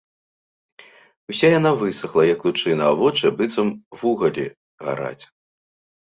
Уся яна высахла, як лучына, а вочы, быццам вугалі, гараць.